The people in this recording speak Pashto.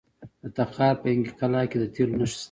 د تخار په ینګي قلعه کې د تیلو نښې شته.